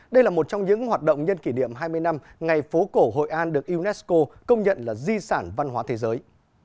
đây là một trong những hoạt động nhân kỷ niệm hai mươi năm ngày phố cổ hội an được unesco công nhận là di sản văn hóa thế giới